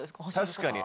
確かに。